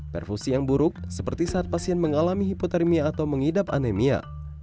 perfusi yang buruk seperti saat pasien mengalami hipotermia atau mengidap anemia